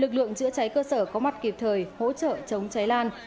lực lượng chữa cháy cơ sở có mặt kịp thời hỗ trợ chống cháy lan